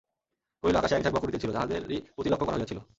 কহিল, আকাশে এক ঝাঁক বক উড়িতেছিল, তাহাদেরই প্রতি লক্ষ করা হইয়াছিল।